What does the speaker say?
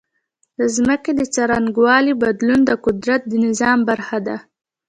د ځمکې د څرنګوالي بدلون د قدرت د نظام برخه ده.